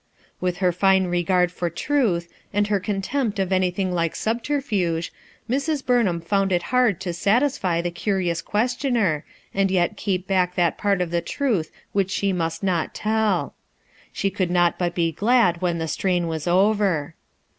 With her fine regard for truth, and her con tempt of anything like subterfuge, Mrs. Burn ham found it hard to satisfy the curious ques tioner, and yet keep back that part of the truth which she must not tell* She could not but be glad when the strain was over.